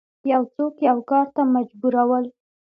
یو څوک یو کار ته مجبورول